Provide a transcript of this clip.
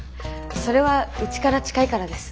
それはうちから近いからです。